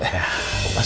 dia pindah ke wari z